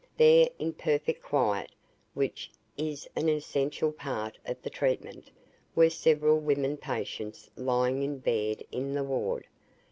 There, in perfect quiet, which is an essential part of the treatment, were several women patients lying in bed in the ward.